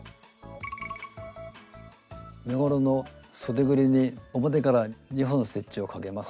身ごろのそでぐりに表から２本ステッチをかけます。